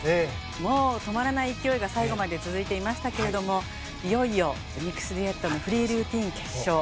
止まらない勢いが最後まで続いていましたがいよいよミックスデュエットのフリールーティン決勝。